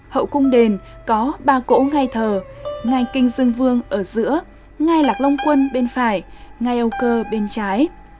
hậu cung đền có ba cỗ ngay thờ ngay kinh dương vương ở giữa ngay lạc long quân bên phải ngay âu cơ bên trái